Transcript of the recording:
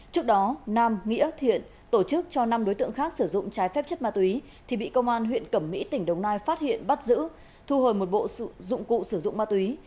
trước đó nam nghĩa thiện tổ chức cho năm đối tượng khác sử dụng trái phép chất ma túy thì bị công an huyện cẩm mỹ tỉnh đồng nai phát hiện bắt giữ thu hồi một bộ dụng cụ sử dụng ma túy